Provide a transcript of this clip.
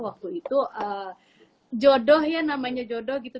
waktu itu jodoh ya namanya jodoh gitu